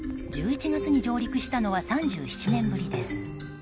１１月に上陸したのは３７年ぶりです。